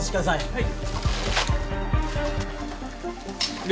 はい。